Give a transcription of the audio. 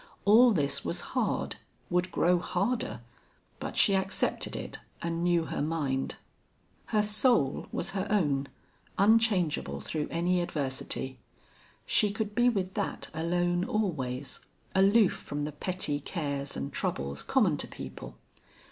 All this was hard, would grow harder, but she accepted it, and knew her mind. Her soul was her own, unchangeable through any adversity. She could be with that alone always, aloof from the petty cares and troubles common to people.